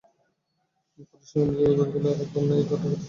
পারস্য-সাম্রাজ্যের অভ্যুদয়কালে আর একবার এই ঘটনা ঘটে।